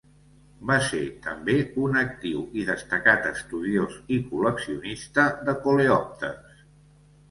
Va ser també un actiu i destacat estudiós i col·leccionista de coleòpters.